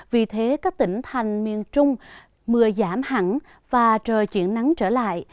vì thế các tỉnh thành miền trung mưa giảm hẳn và trời chuyển nắng trở lại